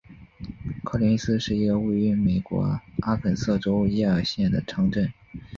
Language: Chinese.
科林斯是一个位于美国阿肯色州耶尔县的城镇。